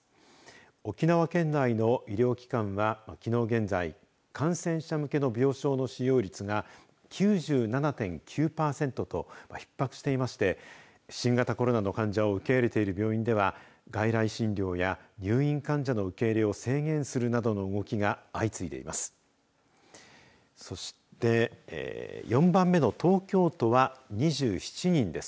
沖縄県内の医療機関はきのう現在、感染者向けの病床の使用率が９７．９パーセントとひっ迫していまして、新型コロナの患者を受け入れている病院では外来診療や入院患者の受け入れを制限するなどの動きが相次いでいます。